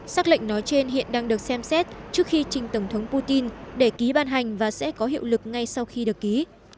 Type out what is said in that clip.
xác lệnh nói trên hiện đang được xem xét trước khi trình tổng thống putin để ký ban hành và sẽ có hiệu lực ngay sau khi được ký